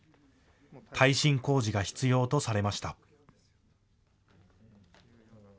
耐震工事が必要とされました。